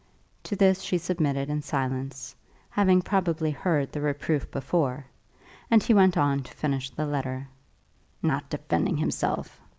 To this she submitted in silence, having probably heard the reproof before, and he went on to finish the letter. "Not defending himself!"